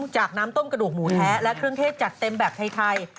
จากน้ำต้มกระดูกหมูแท้และเครื่องเทศจัดเต็มแบบไทย